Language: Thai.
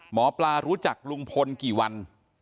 หมอปลารู้จักลุงพลกี่วัน